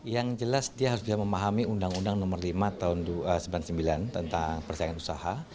yang jelas dia harus bisa memahami undang undang nomor lima tahun seribu sembilan ratus sembilan puluh sembilan tentang persaingan usaha